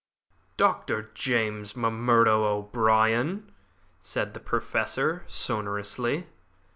"Dr. James M'Murdo O'Brien " said the Professor, sonorously.